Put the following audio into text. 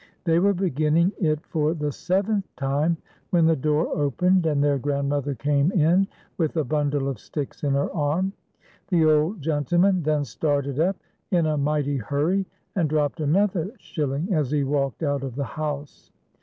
They were beginning it for the seventh time when the door opened, and their grandmother came in with a bundle of sticks in her arm. The old 170 FAIR IE AND BROWNIE. gentleman then started up in a mighty hurry, and dropped another shiUing as he walked out of the house.